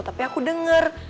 tapi aku denger